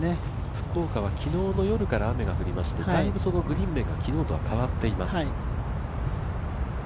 福岡は昨日の夜から雨が降りまして大分グリーン面が昨日と変わっています。